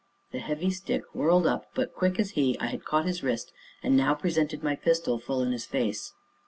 The heavy stick whirled up, but, quick as he, I had caught his wrist, and now presented my pistol full in his face.